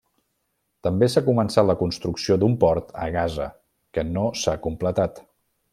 També s'ha començat la construcció d'un port a Gaza, que no s'ha completat.